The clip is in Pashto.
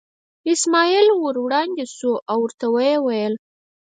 اسماعیل ور وړاندې شو او ورته یې وویل.